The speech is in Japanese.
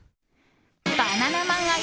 バナナマン愛